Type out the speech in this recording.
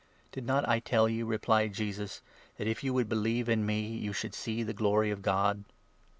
"Did not I tell you," replied Jesus, "that, if you would 40 believe in me, you should see the glory of God